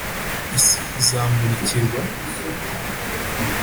isi izamurikirwa?